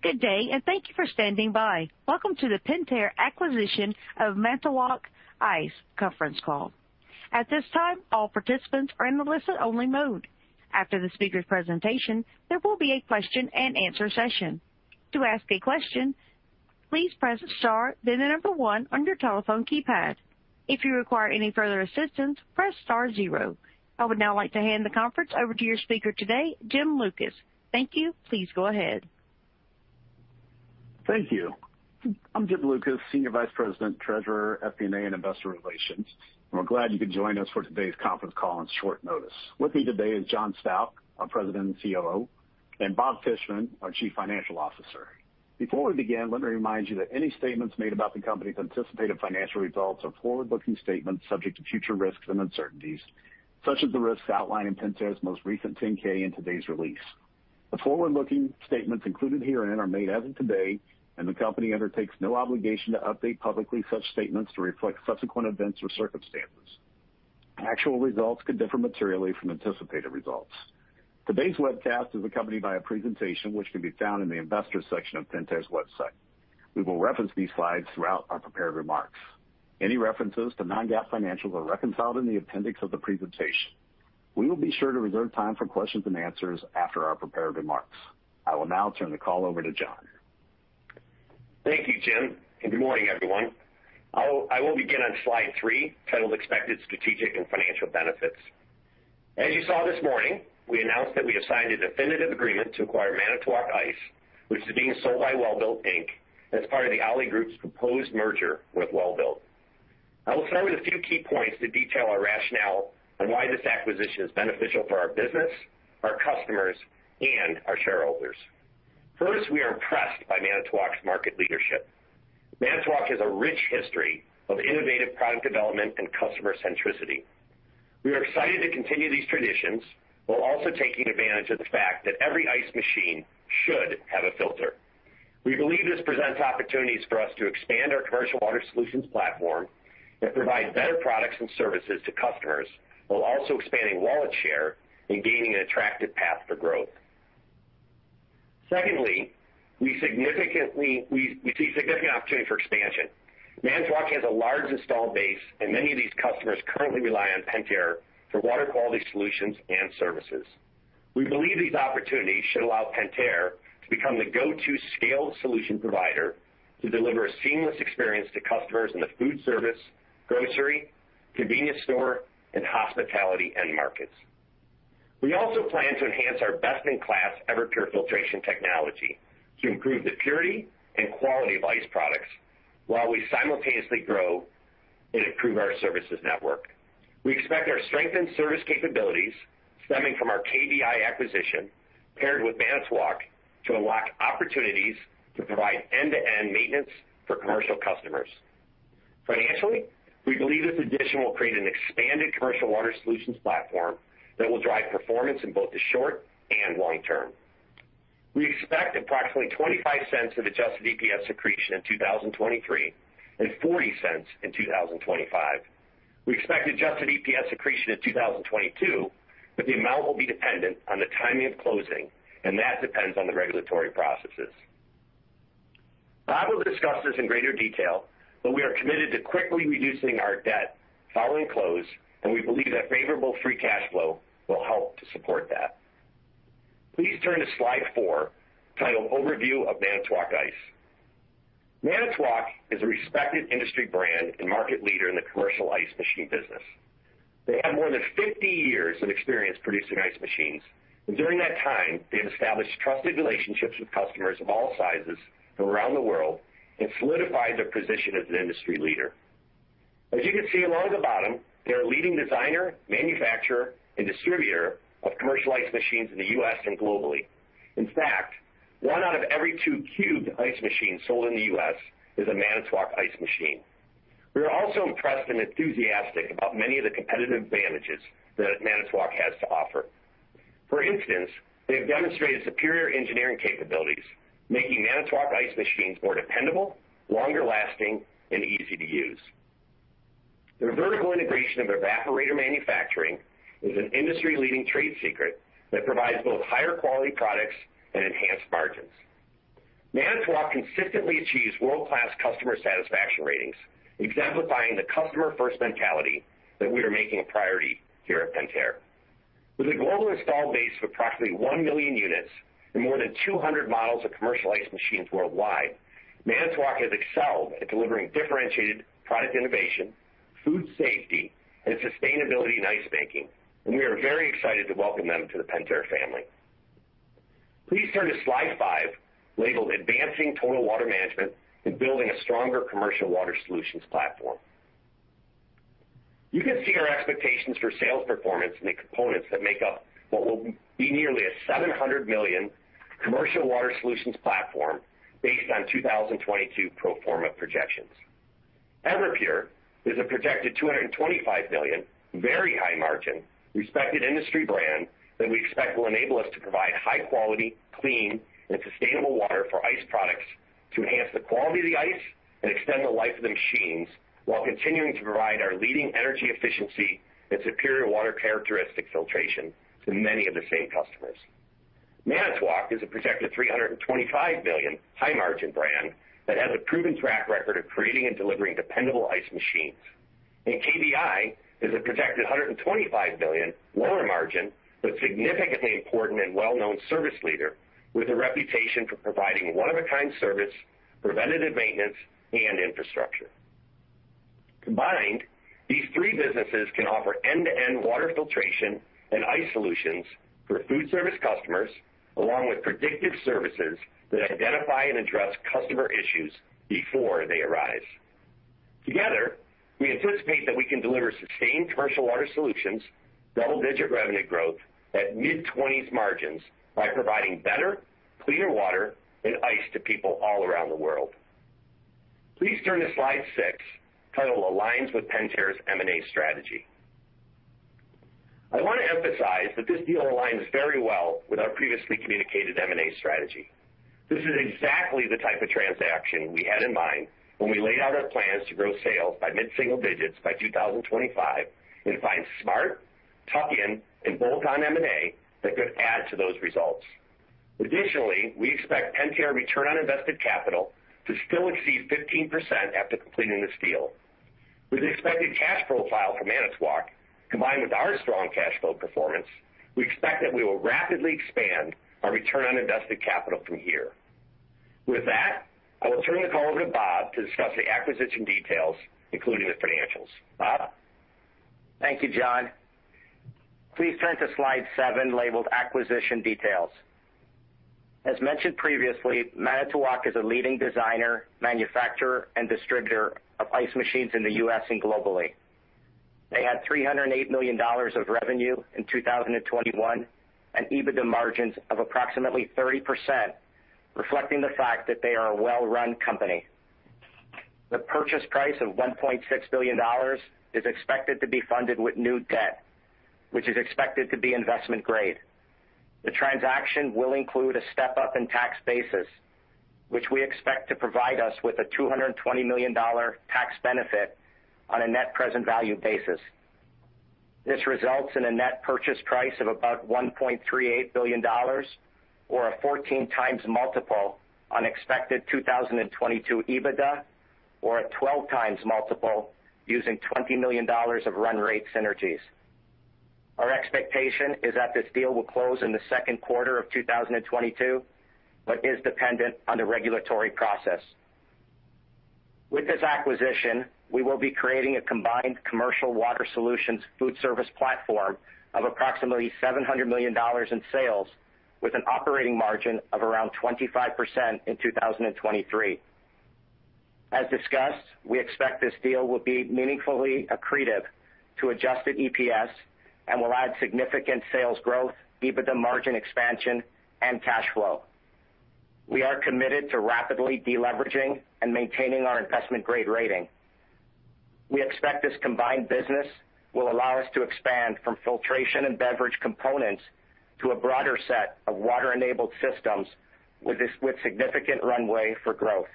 Good day, and thank you for standing by. Welcome to the Pentair Acquisition of Manitowoc Ice conference call. At this time, all participants are in listen-only mode. After the speaker presentation, there will be a question and answer session. To ask a question, please press star, then the number one on your telephone keypad. If you require any further assistance, press star zero. I would now like to hand the conference over to your speaker today, Jim Lucas. Thank you. Please go ahead. Thank you. I'm Jim Lucas, Senior Vice President, Treasurer, FP&A, and Investor Relations, and we're glad you could join us for today's conference call on short notice. With me today is John Stauch, our President and COO, and Bob Fishman, our Chief Financial Officer. Before we begin, let me remind you that any statements made about the company's anticipated financial results are forward-looking statements subject to future risks and uncertainties such as the risks outlined in Pentair's most recent 10-K in today's release. The forward-looking statements included herein are made as of today, and the company undertakes no obligation to update publicly such statements to reflect subsequent events or circumstances. Actual results could differ materially from anticipated results. Today's webcast is accompanied by a presentation which can be found in the Investors section of Pentair's website. We will reference these slides throughout our prepared remarks. Any references to non-GAAP financials are reconciled in the appendix of the presentation. We will be sure to reserve time for questions and answers after our prepared remarks. I will now turn the call over to John. Thank you, Jim, and good morning, everyone. I will begin on slide three, titled Expected Strategic and Financial Benefits. As you saw this morning, we announced that we have signed a definitive agreement to acquire Manitowoc Ice, which is being sold by Welbilt, Inc. as part of the Ali Group's proposed merger with Welbilt. I will start with a few key points to detail our rationale on why this acquisition is beneficial for our business, our customers, and our shareholders. First, we are impressed by Manitowoc's market leadership. Manitowoc has a rich history of innovative product development and customer centricity. We are excited to continue these traditions while also taking advantage of the fact that every ice machine should have a filter. We believe this presents opportunities for us to expand our commercial water solutions platform that provide better products and services to customers while also expanding wallet share and gaining an attractive path for growth. Secondly, we see significant opportunity for expansion. Manitowoc has a large installed base, and many of these customers currently rely on Pentair for water quality solutions and services. We believe these opportunities should allow Pentair to become the go-to scale solution provider to deliver a seamless experience to customers in the food service, grocery, convenience store, and hospitality end markets. We also plan to enhance our best-in-class Everpure filtration technology to improve the purity and quality of ice products while we simultaneously grow and improve our services network. We expect our strengthened service capabilities stemming from our KBI acquisition paired with Manitowoc to unlock opportunities to provide end-to-end maintenance for commercial customers. Financially, we believe this addition will create an expanded commercial water solutions platform that will drive performance in both the short and long term. We expect approximately $0.25 of adjusted EPS accretion in 2023 and $0.40 in 2025. We expect adjusted EPS accretion in 2022, but the amount will be dependent on the timing of closing, and that depends on the regulatory processes. Bob will discuss this in greater detail, but we are committed to quickly reducing our debt following close, and we believe that favorable free cash flow will help to support that. Please turn to slide four, titled Overview of Manitowoc Ice. Manitowoc is a respected industry brand and market leader in the commercial ice machine business. They have more than 50 years of experience producing ice machines, and during that time, they have established trusted relationships with customers of all sizes around the world and solidified their position as an industry leader. As you can see along the bottom, they're a leading designer, manufacturer, and distributor of commercial ice machines in the U.S. and globally. In fact, 1 out of every 2 cubed ice machines sold in the U.S. is a Manitowoc ice machine. We are also impressed and enthusiastic about many of the competitive advantages that Manitowoc has to offer. For instance, they have demonstrated superior engineering capabilities, making Manitowoc ice machines more dependable, longer lasting, and easy to use. Their vertical integration of evaporator manufacturing is an industry-leading trade secret that provides both higher quality products and enhanced margins. Manitowoc consistently achieves world-class customer satisfaction ratings, exemplifying the customer-first mentality that we are making a priority here at Pentair. With a global installed base of approximately 1 million units and more than 200 models of commercial ice machines worldwide, Manitowoc has excelled at delivering differentiated product innovation, food safety, and sustainability in ice making, and we are very excited to welcome them to the Pentair family. Please turn to slide five, labeled Advancing Total Water Management and Building a Stronger Commercial Water Solutions Platform. You can see our expectations for sales performance in the components that make up what will be nearly $700 million commercial water solutions platform based on 2022 pro forma projections. Everpure is a projected $225 million, very high margin, respected industry brand that we expect will enable us to provide high quality, clean, and sustainable water for ice products. To enhance the quality of the ice and extend the life of the machines while continuing to provide our leading energy efficiency and superior water characteristic filtration to many of the same customers. Manitowoc is a projected $325 million high margin brand that has a proven track record of creating and delivering dependable ice machines. KBI is a projected $125 million lower margin, but significantly important and well-known service leader with a reputation for providing one-of-a-kind service, preventative maintenance and infrastructure. Combined, these three businesses can offer end-to-end water filtration and ice solutions for food service customers, along with predictive services that identify and address customer issues before they arise. Together, we anticipate that we can deliver sustained commercial water solutions, double-digit revenue growth at mid-20s margins by providing better, cleaner water and ice to people all around the world. Please turn to slide six titled Aligns with Pentair's M&A strategy. I want to emphasize that this deal aligns very well with our previously communicated M&A strategy. This is exactly the type of transaction we had in mind when we laid out our plans to grow sales by mid-single digits by 2025 and find smart, tuck-in, and bolt-on M&A that could add to those results. Additionally, we expect Pentair return on invested capital to still exceed 15% after completing this deal. With the expected cash profile from Manitowoc, combined with our strong cash flow performance, we expect that we will rapidly expand our return on invested capital from here. With that, I will turn the call over to Bob to discuss the acquisition details, including the financials. Bob? Thank you, John. Please turn to slide seven, labeled Acquisition Details. As mentioned previously, Manitowoc is a leading designer, manufacturer, and distributor of ice machines in the U.S. and globally. They had $308 million of revenue in 2021 and EBITDA margins of approximately 30%, reflecting the fact that they are a well-run company. The purchase price of $1.6 billion is expected to be funded with new debt, which is expected to be investment grade. The transaction will include a step-up in tax basis, which we expect to provide us with a $220 million tax benefit on a net present value basis. This results in a net purchase price of about $1.38 billion or a 14x multiple on expected 2022 EBITDA or a 12x multiple using $20 million of run rate synergies. Our expectation is that this deal will close in the second quarter of 2022 but is dependent on the regulatory process. With this acquisition, we will be creating a combined commercial water solutions food service platform of approximately $700 million in sales with an operating margin of around 25% in 2023. As discussed, we expect this deal will be meaningfully accretive to adjusted EPS and will add significant sales growth, EBITDA margin expansion, and cash flow. We are committed to rapidly deleveraging and maintaining our investment-grade rating. We expect this combined business will allow us to expand from filtration and beverage components to a broader set of water-enabled systems with significant runway for growth.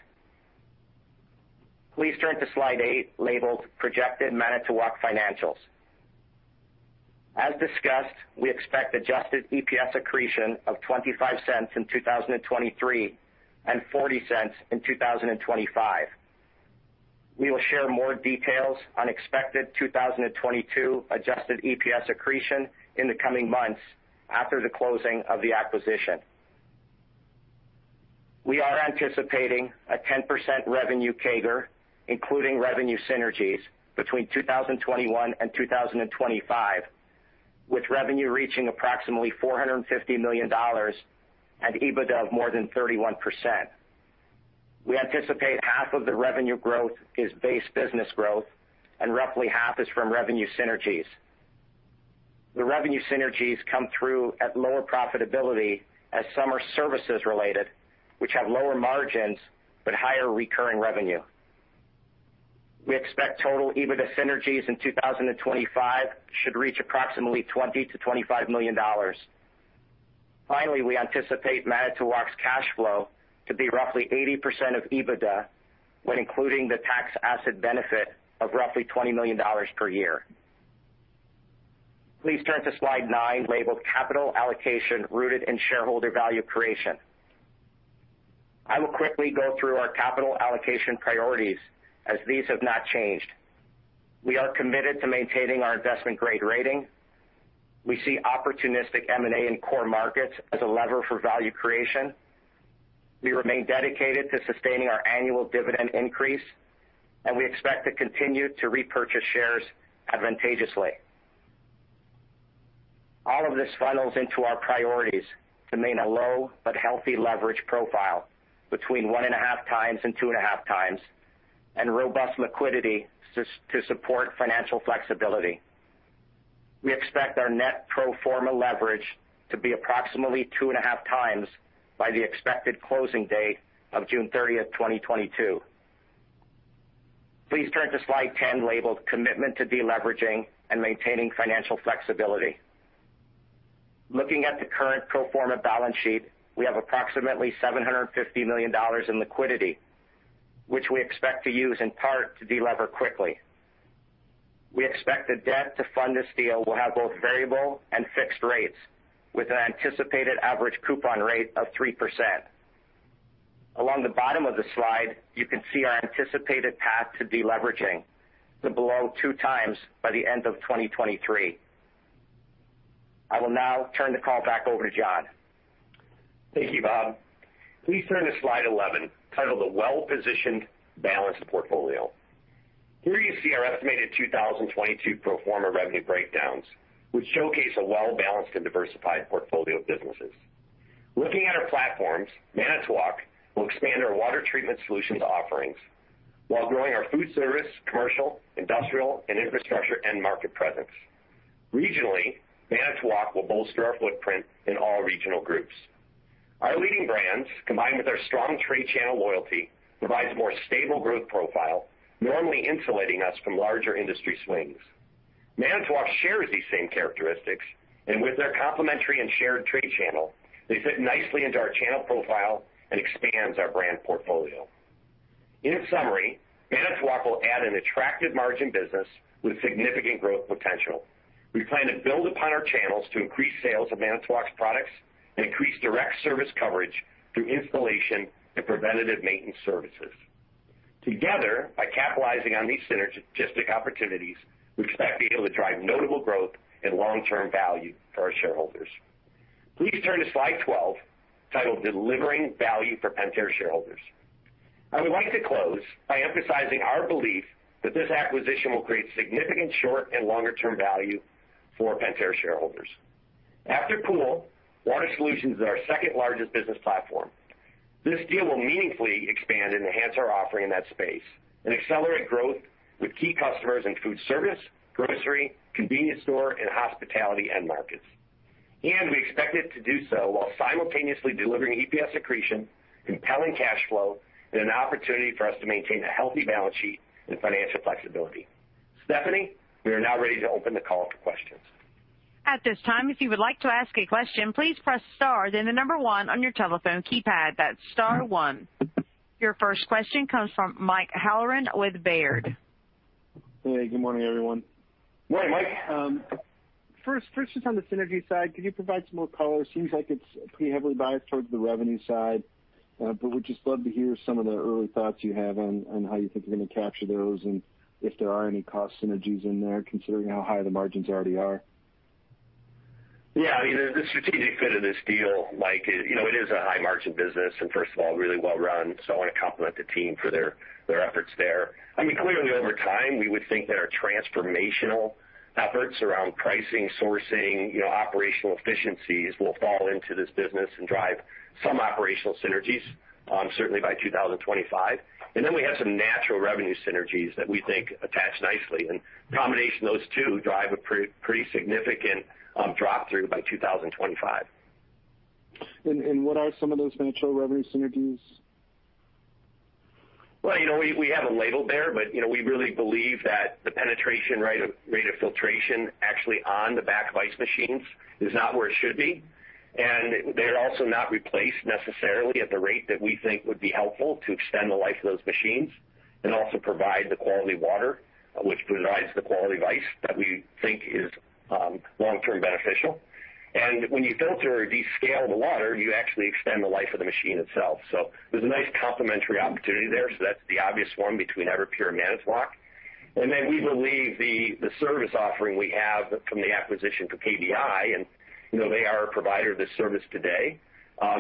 Please turn to slide eight, labeled Projected Manitowoc Financials. As discussed, we expect adjusted EPS accretion of $0.25 in 2023 and $0.40 in 2025. We will share more details on expected 2022 adjusted EPS accretion in the coming months after the closing of the acquisition. We are anticipating a 10% revenue CAGR, including revenue synergies between 2021 and 2025, with revenue reaching approximately $450 million and EBITDA of more than 31%. We anticipate half of the revenue growth is base business growth and roughly half is from revenue synergies. The revenue synergies come through at lower profitability as some are services related, which have lower margins but higher recurring revenue. We expect total EBITDA synergies in 2025 should reach approximately $20 million-$25 million. Finally, we anticipate Manitowoc's cash flow to be roughly 80% of EBITDA when including the tax asset benefit of roughly $20 million per year. Please turn to slide nine, labeled Capital Allocation Rooted in Shareholder Value Creation. I will quickly go through our capital allocation priorities as these have not changed. We are committed to maintaining our investment-grade rating. We see opportunistic M&A in core markets as a lever for value creation. We remain dedicated to sustaining our annual dividend increase, and we expect to continue to repurchase shares advantageously. All of this funnels into our priorities to maintain a low but healthy leverage profile between 1.5x and 2.5x, and robust liquidity to support financial flexibility. We expect our net pro forma leverage to be approximately 2.5x by the expected closing date of June 30, 2022. Please turn to slide 10 labeled Commitment to Deleveraging and Maintaining Financial Flexibility. Looking at the current pro forma balance sheet, we have approximately $750 million in liquidity, which we expect to use in part to delever quickly. We expect the debt to fund this deal will have both variable and fixed rates with an anticipated average coupon rate of 3%. Along the bottom of the slide, you can see our anticipated path to deleveraging to below 2x by the end of 2023. I will now turn the call back over to John. Thank you, Bob. Please turn to slide 11 titled A Well-Positioned Balanced Portfolio. Here you see our estimated 2022 pro forma revenue breakdowns, which showcase a well-balanced and diversified portfolio of businesses. Looking at our platforms, Manitowoc will expand our water treatment solutions offerings while growing our food service, commercial, industrial, and infrastructure end market presence. Regionally, Manitowoc will bolster our footprint in all regional groups. Our leading brands, combined with our strong trade channel loyalty, provides a more stable growth profile, normally insulating us from larger industry swings. Manitowoc shares these same characteristics, and with their complementary and shared trade channel, they fit nicely into our channel profile and expands our brand portfolio. In summary, Manitowoc will add an attractive margin business with significant growth potential. We plan to build upon our channels to increase sales of Manitowoc's products and increase direct service coverage through installation and preventative maintenance services. Together, by capitalizing on these synergistic opportunities, we expect to be able to drive notable growth and long-term value for our shareholders. Please turn to slide 12, titled Delivering Value for Pentair Shareholders. I would like to close by emphasizing our belief that this acquisition will create significant short and longer-term value for Pentair shareholders. After Pool, Water Solutions is our second-largest business platform. This deal will meaningfully expand and enhance our offering in that space and accelerate growth with key customers in food service, grocery, convenience store, and hospitality end markets. We expect it to do so while simultaneously delivering EPS accretion, compelling cash flow, and an opportunity for us to maintain a healthy balance sheet and financial flexibility. Stephanie, we are now ready to open the call for questions. Your first question comes from Michael Halloran with Baird. Hey, good morning, everyone. Morning, Mike. First just on the synergy side, could you provide some more color? It seems like it's pretty heavily biased towards the revenue side. We'd just love to hear some of the early thoughts you have on how you think you're gonna capture those and if there are any cost synergies in there, considering how high the margins already are. Yeah, I mean, the strategic fit of this deal, Mike, you know, it is a high-margin business and first of all, really well run, so I wanna compliment the team for their efforts there. I mean, clearly over time, we would think that our transformational efforts around pricing, sourcing, you know, operational efficiencies will fall into this business and drive some operational synergies, certainly by 2025. Then we have some natural revenue synergies that we think attach nicely. The combination of those two drive a pretty significant drop-through by 2025. What are some of those natural revenue synergies? Well, you know, we have them labeled there, but, you know, we really believe that the penetration rate of filtration actually on the back of ice machines is not where it should be. They're also not replaced necessarily at the rate that we think would be helpful to extend the life of those machines and also provide the quality water, which provides the quality of ice that we think is long-term beneficial. When you filter or descale the water, you actually extend the life of the machine itself. There's a nice complementary opportunity there. That's the obvious one between Everpure and Manitowoc. We believe the service offering we have from the acquisition for KBI, and you know, they are a provider of this service today,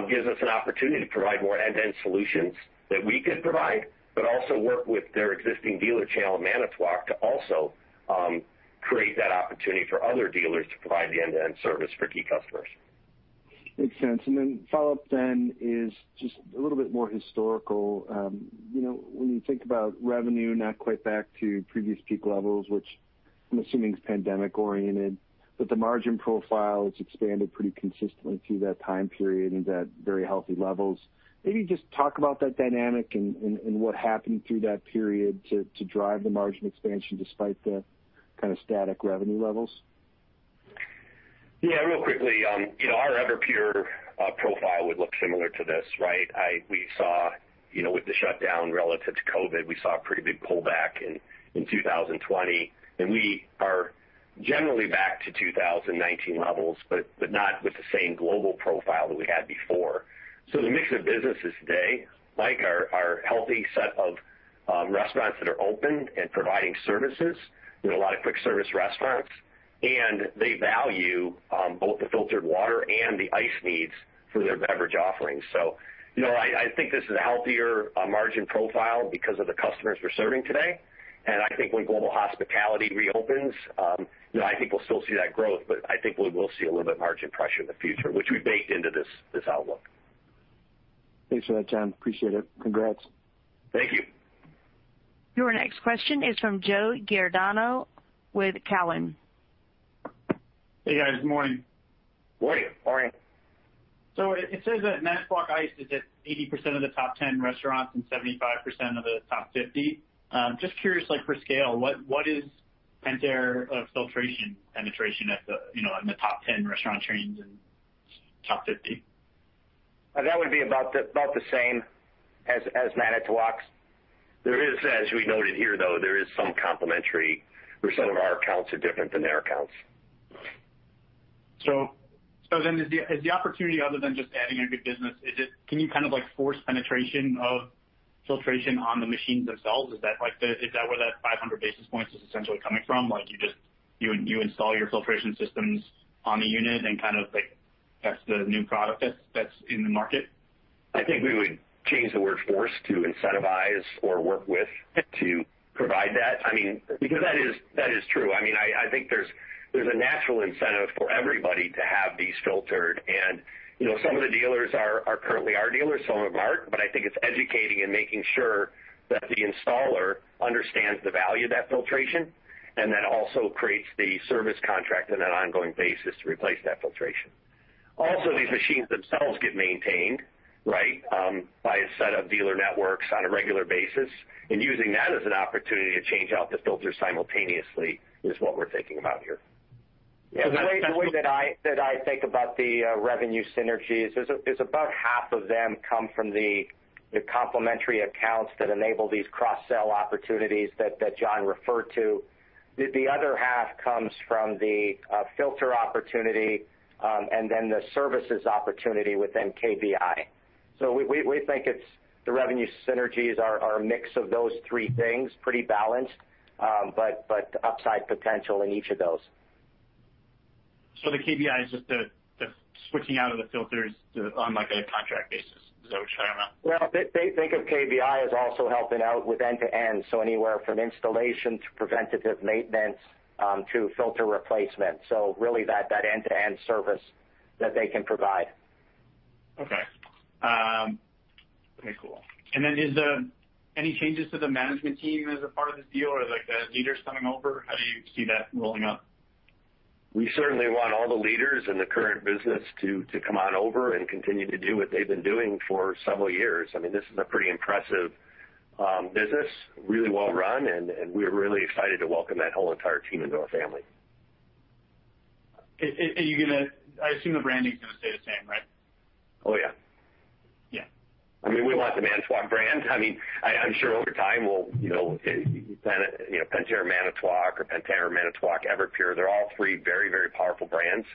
gives us an opportunity to provide more end-to-end solutions that we could provide, but also work with their existing dealer channel at Manitowoc to also create that opportunity for other dealers to provide the end-to-end service for key customers. Makes sense. Then follow-up then is just a little bit more historical. You know, when you think about revenue, not quite back to previous peak levels, which I'm assuming is pandemic-oriented, but the margin profile has expanded pretty consistently through that time period and is at very healthy levels. Maybe just talk about that dynamic and what happened through that period to drive the margin expansion despite the kind of static revenue levels. Yeah, real quickly, you know, our Everpure profile would look similar to this, right? We saw, you know, with the shutdown relative to COVID, we saw a pretty big pullback in 2020. We are generally back to 2019 levels, but not with the same global profile that we had before. The mix of businesses today, like our healthy set of restaurants that are open and providing services, you know, a lot of quick service restaurants, and they value both the filtered water and the ice needs for their beverage offerings. You know, I think this is a healthier margin profile because of the customers we're serving today. I think when global hospitality reopens, you know, I think we'll still see that growth, but I think we will see a little bit margin pressure in the future, which we baked into this outlook. Thanks for that, John. Appreciate it. Congrats. Thank you. Your next question is from Joseph Giordano with Cowen. Hey guys. Good morning. Morning. Morning. It says that Manitowoc Ice is at 80% of the top 10 restaurants and 75% of the top 50. Just curious, like for scale, what is Pentair filtration penetration at the, you know, in the top 10 restaurant chains and top 50? That would be about the same as Manitowoc's. As we noted here, though, there is some complementary where some of our accounts are different than their accounts. Is the opportunity other than just adding a good business, is it? Can you kind of like force penetration of filtration on the machines themselves? Is that where that 500 basis points is essentially coming from? Like you just install your filtration systems on the unit and kind of like that's the new product that's in the market. I think we would change the word force to incentivize or work with to provide that. I mean, because that is true. I mean, I think there's a natural incentive for everybody to have these filtered. You know, some of the dealers are currently our dealers, some of them aren't. I think it's educating and making sure that the installer understands the value of that filtration, and that also creates the service contract on an ongoing basis to replace that filtration. Also, these machines themselves get maintained, right, by a set of dealer networks on a regular basis, and using that as an opportunity to change out the filters simultaneously is what we're thinking about here. The way that I think about the revenue synergies is about half of them come from the complementary accounts that enable these cross-sell opportunities that John referred to. The other half comes from the filter opportunity, and then the services opportunity within KBI. We think it's the revenue synergies are a mix of those three things, pretty balanced, but upside potential in each of those. The KBI is just the switching out of the filters on like a contract basis. Is that what you're talking about? Well, they think of KBI as also helping out with end-to-end, so anywhere from installation to preventative maintenance, to filter replacement. Really that end-to-end service that they can provide. Okay. Okay, cool. Any changes to the management team as a part of this deal or like the leaders coming over? How do you see that rolling out? We certainly want all the leaders in the current business to come on over and continue to do what they've been doing for several years. I mean, this is a pretty impressive business, really well run, and we're really excited to welcome that whole entire team into our family. Are you gonna... I assume the branding is gonna stay the same, right? Oh, yeah. Yeah. I mean, we like the Manitowoc brand. I mean, I'm sure over time, we'll, you know, Pentair, you know, Pentair Manitowoc or Pentair Manitowoc Everpure. They're all three very, very powerful brands,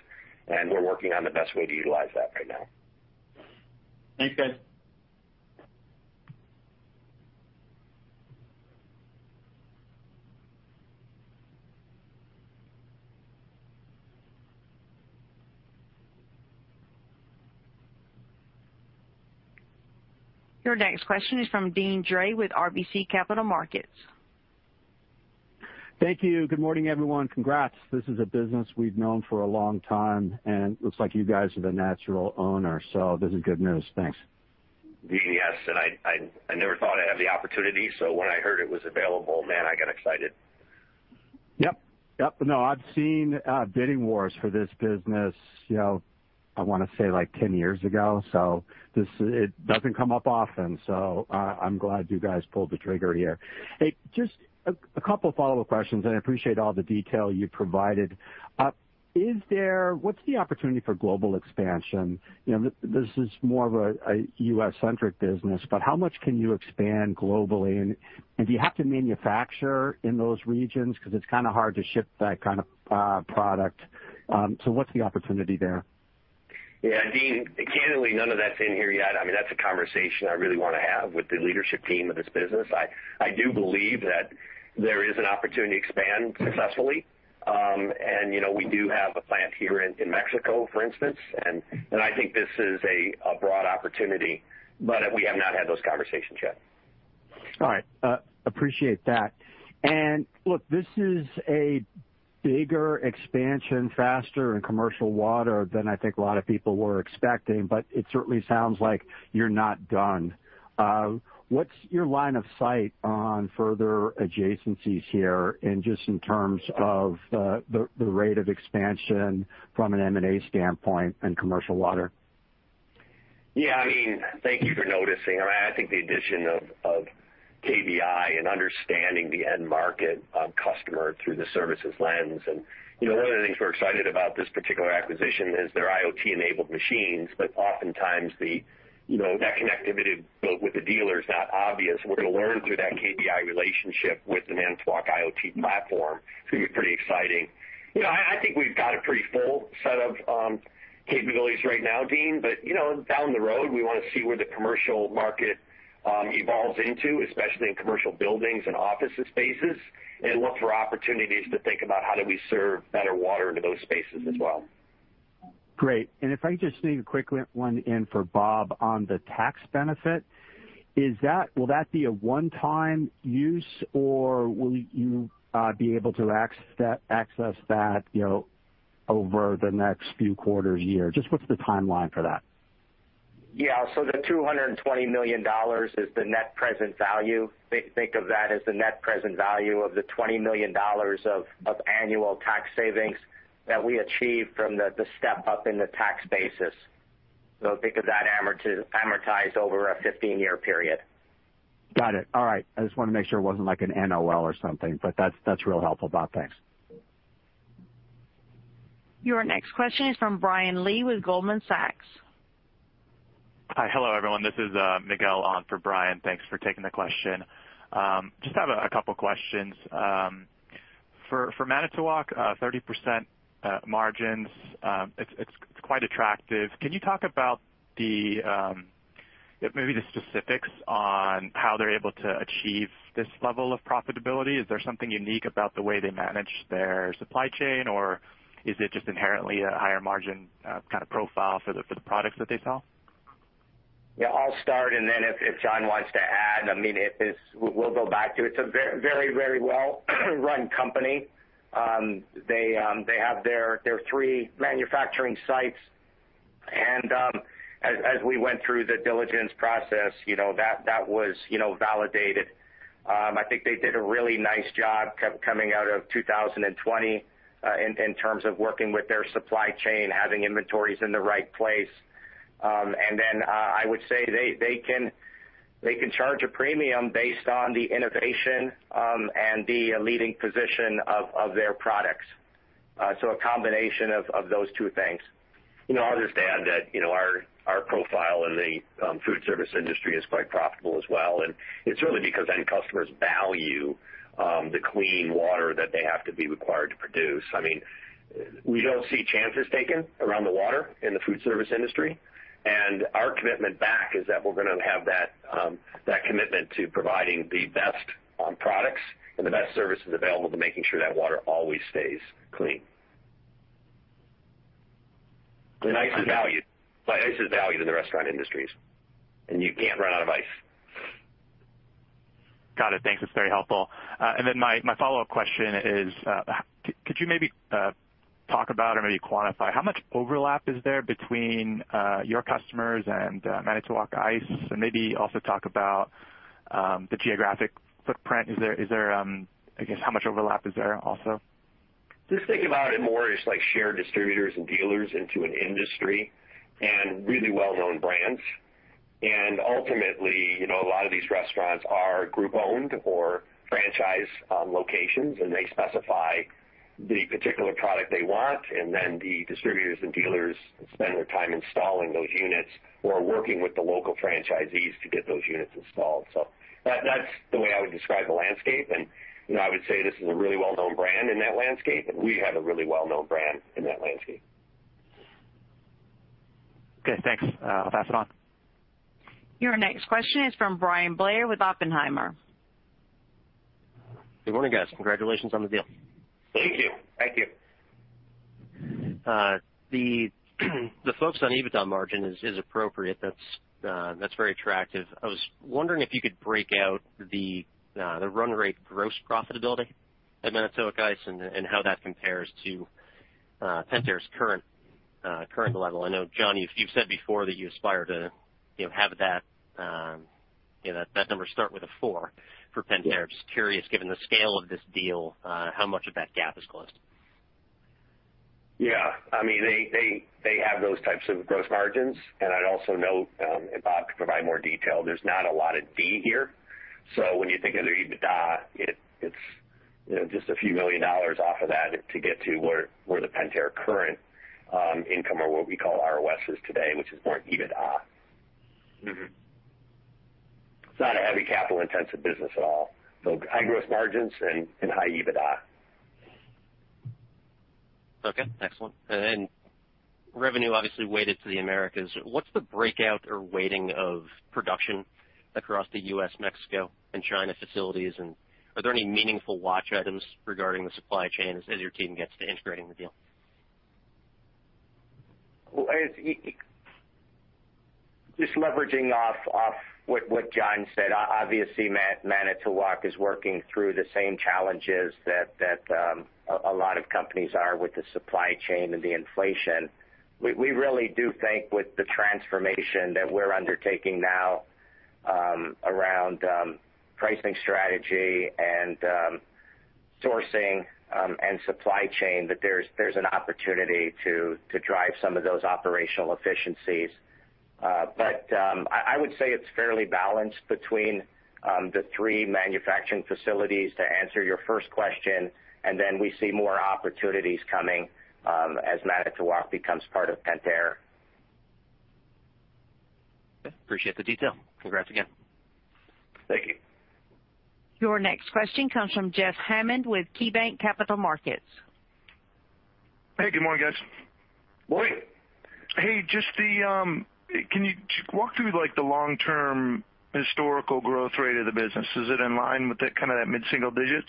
and we're working on the best way to utilize that right now. Thanks, guys. Your next question is from Deane Dray with RBC Capital Markets. Thank you. Good morning, everyone. Congrats. This is a business we've known for a long time, and looks like you guys are the natural owner, so this is good news. Thanks. Dean, yes, and I never thought I'd have the opportunity, so when I heard it was available, man, I got excited. Yep. Yep. No, I've seen bidding wars for this business, you know, I wanna say like 10 years ago. So this, it doesn't come up often, so I'm glad you guys pulled the trigger here. Hey, just a couple follow-up questions, and I appreciate all the detail you provided. What's the opportunity for global expansion? You know, this is more of a U.S.-centric business, but how much can you expand globally? And do you have to manufacture in those regions? 'Cause it's kinda hard to ship that kind of product. So what's the opportunity there? Yeah, Dean, candidly, none of that's in here yet. I mean, that's a conversation I really wanna have with the leadership team of this business. I do believe that there is an opportunity to expand successfully. You know, we do have a plant here in Mexico, for instance. I think this is a broad opportunity, but we have not had those conversations yet. All right. Appreciate that. This is a bigger expansion faster in commercial water than I think a lot of people were expecting, but it certainly sounds like you're not done. What's your line of sight on further adjacencies here, and just in terms of the rate of expansion from an M&A standpoint in commercial water? Yeah, I mean, thank you for noticing. I think the addition of KBI and understanding the end market customer through the services lens. You know, one of the things we're excited about this particular acquisition is their IoT-enabled machines, but oftentimes the, you know, that connectivity built with the dealer is not obvious. We're gonna learn through that KBI relationship with the Manitowoc IoT platform, so it's pretty exciting. You know, I think we've got a pretty full set of capabilities right now, Dean. But, you know, down the road, we wanna see where the commercial market evolves into, especially in commercial buildings and office spaces, and look for opportunities to think about how do we serve better water into those spaces as well. Great. If I could just sneak a quick one in for Bob on the tax benefit. Will that be a one-time use, or will you be able to access that, you know, over the next few quarters, year? Just what's the timeline for that? The $220 million is the net present value. Think of that as the net present value of the $20 million of annual tax savings that we achieve from the step up in the tax basis. Think of that amortized over a 15-year period. Got it. All right. I just wanted to make sure it wasn't like an NOL or something, but that's real helpful, Bob. Thanks. Your next question is from Brian Lee with Goldman Sachs. Hi, hello, everyone. This is Miguel on for Brian. Thanks for taking the question. Just have a couple questions. For Manitowoc, 30% margins, it's quite attractive. Can you talk about maybe the specifics on how they're able to achieve this level of profitability? Is there something unique about the way they manage their supply chain, or is it just inherently a higher margin kind of profile for the products that they sell? I'll start, and then if John wants to add, we'll go back to it. It's a very well run company. They have their three manufacturing sites. As we went through the diligence process, you know, that was validated. I think they did a really nice job coming out of 2020 in terms of working with their supply chain, having inventories in the right place. I would say they can charge a premium based on the innovation and the leading position of their products. A combination of those two things. You know, I understand that, you know, our profile in the food service industry is quite profitable as well, and it's really because end customers value the clean water that they have to be required to produce. I mean, we don't see chances taken around the water in the food service industry, and our commitment back is that we're gonna have that commitment to providing the best products and the best services available to making sure that water always stays clean. Ice is valued. Ice is valued in the restaurant industries, and you can't run out of ice. Got it. Thanks. That's very helpful. My follow-up question is, could you maybe talk about or maybe quantify how much overlap is there between your customers and Manitowoc Ice, and maybe also talk about the geographic footprint? Is there, I guess, how much overlap is there also? Just think about it more as like shared distributors and dealers into an industry and really well-known brands. Ultimately, you know, a lot of these restaurants are group-owned or franchise locations, and they specify the particular product they want, and then the distributors and dealers spend their time installing those units or working with the local franchisees to get those units installed. That's the way I would describe the landscape. You know, I would say this is a really well-known brand in that landscape, and we have a really well-known brand in that landscape. Okay, thanks. I'll pass it on. Your next question is from Bryan Blair with Oppenheimer. Good morning, guys. Congratulations on the deal. Thank you. Thank you. The focus on EBITDA margin is appropriate. That's very attractive. I was wondering if you could break out the run rate gross profitability at Manitowoc Ice and how that compares to Pentair's current level. I know, John, you've said before that you aspire to, you know, have that number start with a four for Pentair. Just curious, given the scale of this deal, how much of that gap is closed? Yeah. I mean, they have those types of gross margins, and I'd also note, and Bob could provide more detail. There's not a lot of D&A here. So when you think of their EBITDA, it's, you know, just a few $ million off of that to get to where the Pentair current income or what we call ROS is today, which is more EBITDA. Mm-hmm. It's not a heavy capital intensive business at all. High gross margins and high EBITDA. Okay. Excellent. Revenue obviously weighted to the Americas. What's the breakout or weighting of production across the U.S., Mexico and China facilities? Are there any meaningful watch items regarding the supply chain as your team gets to integrating the deal? Well, just leveraging off what John said, obviously, Manitowoc is working through the same challenges that a lot of companies are with the supply chain and the inflation. We really do think with the transformation that we're undertaking now, around pricing strategy and sourcing and supply chain, that there's an opportunity to drive some of those operational efficiencies. I would say it's fairly balanced between the three manufacturing facilities to answer your first question, and then we see more opportunities coming as Manitowoc becomes part of Pentair. Okay. Appreciate the detail. Congrats again. Thank you. Your next question comes from Jeff Hammond with KeyBanc Capital Markets. Hey, good morning, guys. Morning. Hey, can you walk through, like, the long-term historical growth rate of the business? Is it in line with that kind of mid-single digits?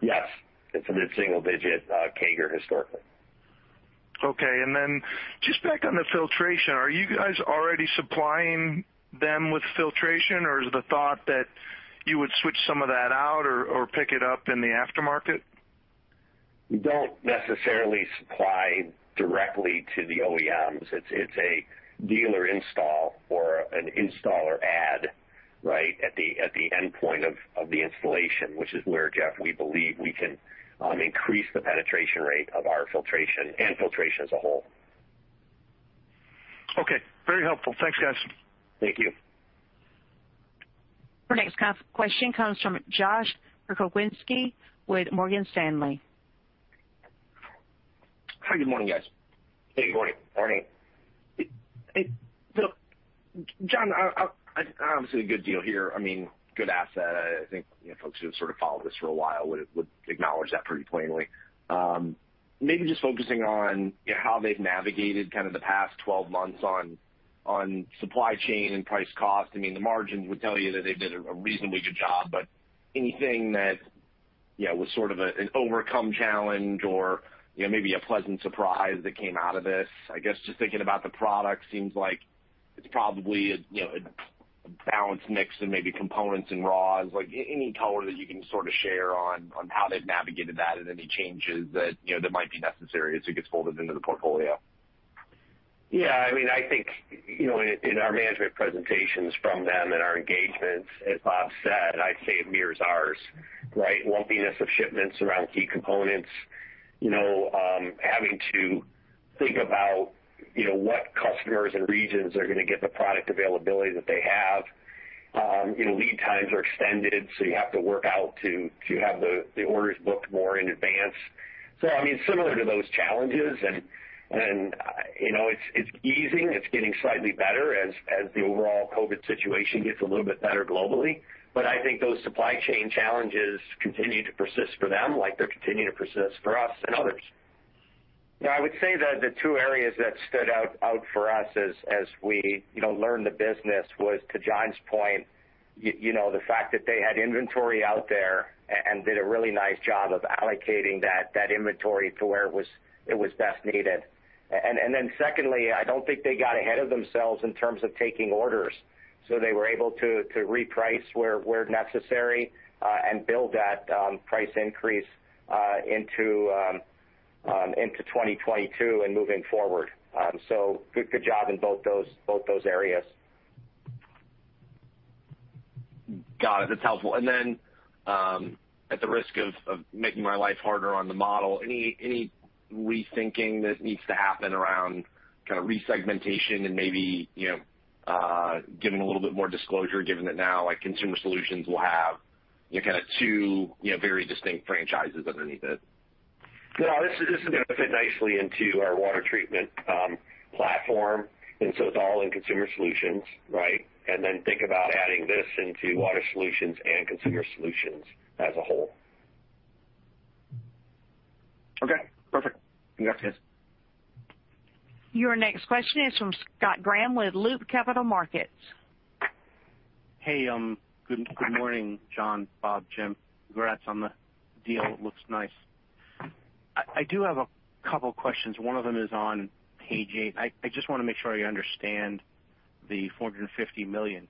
Yes, it's a mid-single digit CAGR historically. Okay. Just back on the filtration, are you guys already supplying them with filtration, or is the thought that you would switch some of that out or pick it up in the aftermarket? We don't necessarily supply directly to the OEMs. It's a dealer install or an installer add, right? At the endpoint of the installation, which is where, Jeff, we believe we can increase the penetration rate of our filtration and filtration as a whole. Okay. Very helpful. Thanks, guys. Thank you. Our next question comes from Josh Pokrzywinski with Morgan Stanley. Hi, good morning, guys. Hey, good morning. Morning. Hey, look, John, obviously a good deal here. I mean, good asset. I think, you know, folks who have sort of followed this for a while would acknowledge that pretty plainly. Maybe just focusing on how they've navigated kind of the past 12 months on supply chain and price cost. I mean, the margins would tell you that they did a reasonably good job, but anything that, you know, was sort of an overcome challenge or, you know, maybe a pleasant surprise that came out of this. I guess just thinking about the product seems like it's probably, you know, a balanced mix and maybe components and raws. Like, any color that you can sort of share on how they've navigated that and any changes that, you know, that might be necessary as it gets folded into the portfolio. Yeah, I mean, I think, you know, in our management presentations from them and our engagements, as Bob said, I'd say it mirrors ours, right? Lumpiness of shipments around key components. You know, having to think about, you know, what customers and regions are gonna get the product availability that they have. Lead times are extended, so you have to work out to have the orders booked more in advance. I mean, similar to those challenges and, you know, it's easing, it's getting slightly better as the overall COVID situation gets a little bit better globally. But I think those supply chain challenges continue to persist for them like they're continuing to persist for us and others. Yeah, I would say that the two areas that stood out for us as we you know learned the business was to John's point you know the fact that they had inventory out there and did a really nice job of allocating that inventory to where it was best needed. Secondly, I don't think they got ahead of themselves in terms of taking orders so they were able to reprice where necessary and build that price increase into 2022 and moving forward. Good job in both those areas. Got it. That's helpful. Then, at the risk of making my life harder on the model, any rethinking that needs to happen around kind of resegmentation and maybe, you know, giving a little bit more disclosure, given that now, like, Consumer Solutions will have, you know, kind of two, you know, very distinct franchises underneath it? No, this is gonna fit nicely into our water treatment platform. It's all in Consumer Solutions, right? Think about adding this into Water Solutions and Consumer Solutions as a whole. Okay, perfect. Congrats, guys. Your next question is from Scott Graham with Loop Capital Markets. Hey, good morning, John, Bob, Jim. Congrats on the deal. It looks nice. I do have a couple questions. One of them is on page eight. I just wanna make sure I understand the $450 million.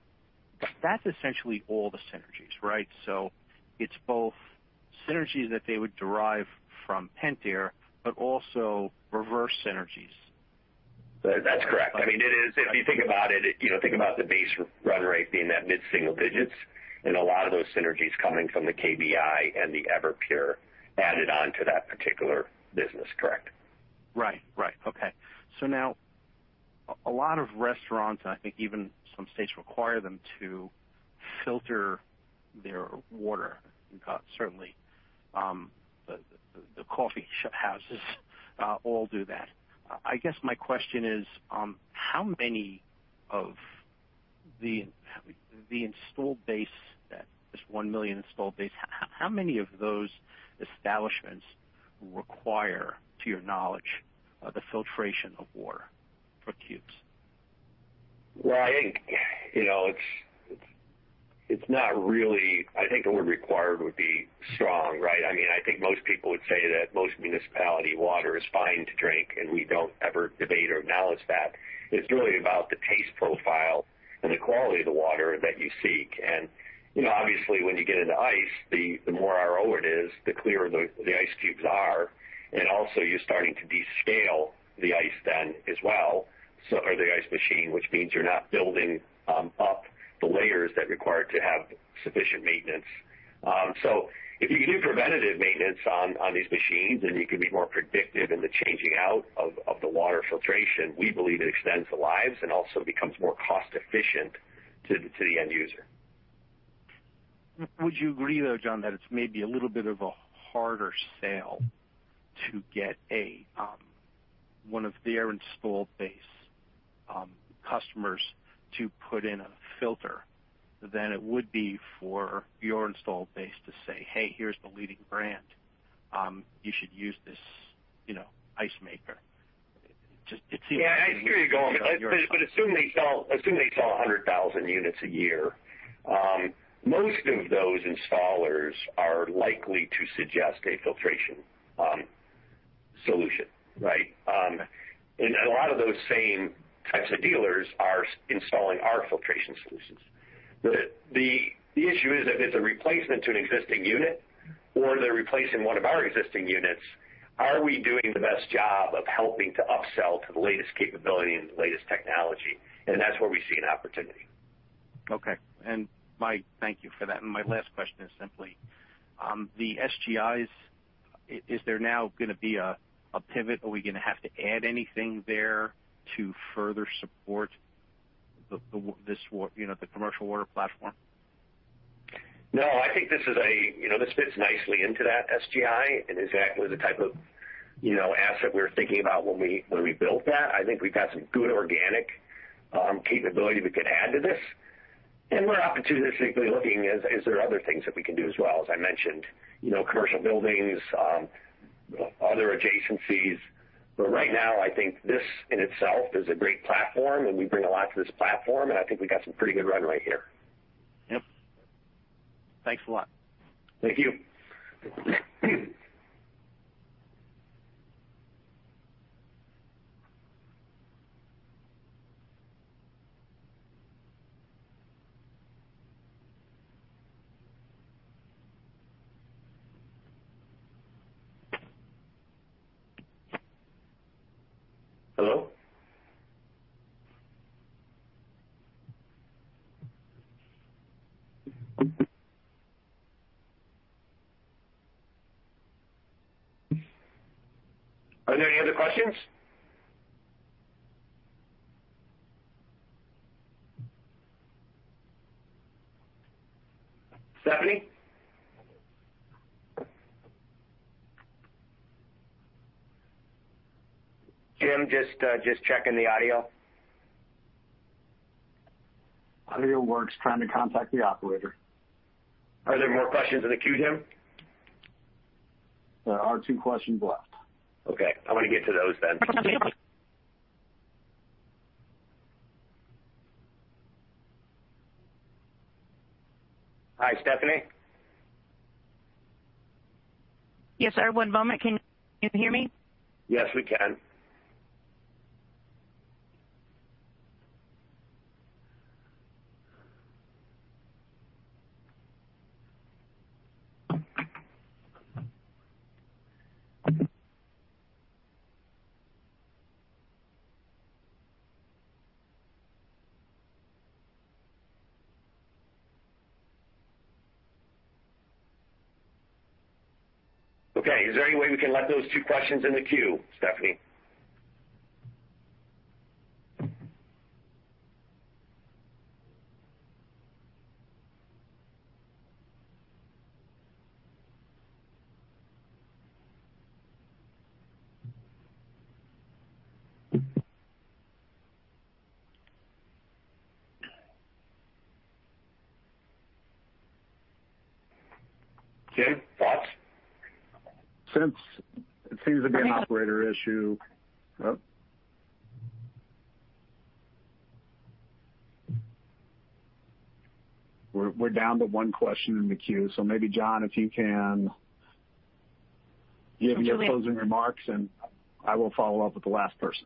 That's essentially all the synergies, right? It's both synergies that they would derive from Pentair, but also reverse synergies. That's correct. I mean, it is. If you think about it, you know, think about the base run rate being that mid-single digits% and a lot of those synergies coming from the KBI and the Everpure added on to that particular business. Correct. Right. Okay. Now a lot of restaurants, and I think even some states require them to filter their water. Certainly, the coffee houses all do that. I guess my question is, how many of the installed base, that this 1 million installed base, how many of those establishments require, to your knowledge, the filtration of water for cubes? Well, I think, you know, it's not really. I think the word required would be strong, right? I mean, I think most people would say that most municipal water is fine to drink, and we don't ever debate or malign that. It's really about the taste profile and the quality of the water that you seek. You know, obviously, when you get into ice, the more RO it is, the clearer the ice cubes are. Also you're starting to descale the ice then as well, or the ice machine, which means you're not building up the layers that require to have sufficient maintenance. If you can do preventative maintenance on these machines, and you can be more predictive in the changing out of the water filtration, we believe it extends the lives and also becomes more cost-efficient to the end user. Would you agree, though, John, that it's maybe a little bit of a harder sale to get one of their installed base customers to put in a filter than it would be for your installed base to say, "Hey, here's the leading brand. You should use this, you know, ice maker." Just, it seems. Yeah, I see where you're going. But assume they sell 100,000 units a year. Most of those installers are likely to suggest a filtration solution, right? And a lot of those same types of dealers are installing our filtration solutions. The issue is if it's a replacement to an existing unit or they're replacing one of our existing units, are we doing the best job of helping to upsell to the latest capability and the latest technology? That's where we see an opportunity. Thank you for that. My last question is simply, the SGIs, is there now gonna be a pivot? Are we gonna have to add anything there to further support you know, the commercial water platform? No, I think you know, this fits nicely into that SGI and exactly the type of, you know, asset we were thinking about when we built that. I think we've got some good organic capability we could add to this. We're opportunistically looking as is there other things that we can do as well, as I mentioned. You know, commercial buildings, other adjacencies. Right now, I think this in itself is a great platform, and we bring a lot to this platform, and I think we've got some pretty good runway here. Yep. Thanks a lot. Thank you. Hello? Are there any other questions? Stephanie? Jim, just checking the audio. Audio works. Trying to contact the operator. Are there more questions in the queue, Jim? There are two questions left. Okay. I'm gonna get to those then. Hi, Stephanie. Yes, sir. One moment. Can you hear me? Yes, we can. Okay. Is there any way we can let those two questions in the queue, Stephanie? Jim, thoughts? Since it seems to be an operator issue. Oh. We're down to one question in the queue, so maybe, John, if you can give your closing remarks, and I will follow up with the last person.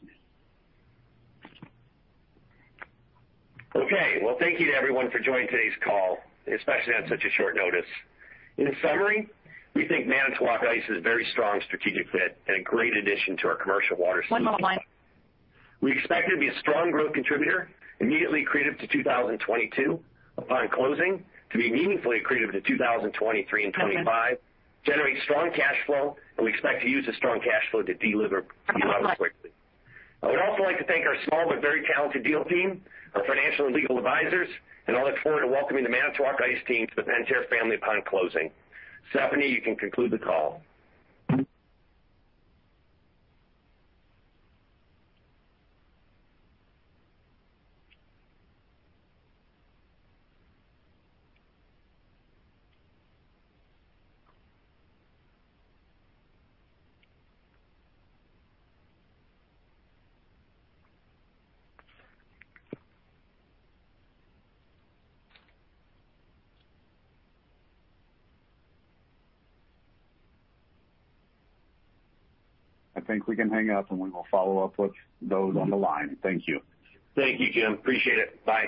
Okay. Well, thank you to everyone for joining today's call, especially on such a short notice. In summary, we think Manitowoc Ice is a very strong strategic fit and a great addition to our commercial water solution. We expect it to be a strong growth contributor immediately accretive to 2022 upon closing, to be meaningfully accretive to 2023 and 2025, generate strong cash flow, and we expect to use the strong cash flow to deliver economics quickly. I would also like to thank our small but very talented deal team, our financial and legal advisors, and I look forward to welcoming the Manitowoc Ice team to the Pentair family upon closing. Stephanie, you can conclude the call. I think we can hang up, and we will follow up with those on the line. Thank you. Thank you, Jim. Appreciate it. Bye.